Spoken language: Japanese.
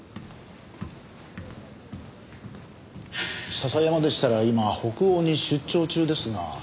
笹山でしたら今北欧に出張中ですが。